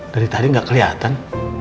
dari tadi gak keliatan